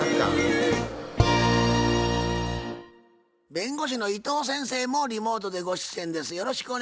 弁護士の伊藤先生もリモートでご出演です。